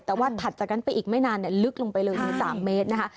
แต่ว่าถัดจากนั้นไปอีกไม่นานลึกลงไปเลย๓เมตรนะคะ